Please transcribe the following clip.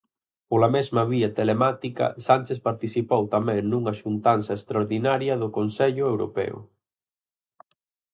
Pola mesma vía telemática, Sánchez participou tamén nunha xuntanza extraordinaria do Consello Europeo.